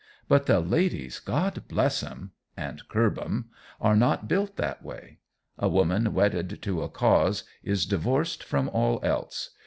But the ladies, God bless 'em and curb 'em are not built that way. A woman wedded to a cause is divorced from all else.